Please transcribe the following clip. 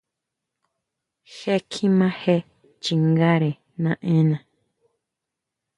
Je kjima jee chingare naʼenna.